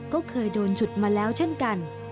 ก็เคยโดนฉุดมาแล้วเช่นกัน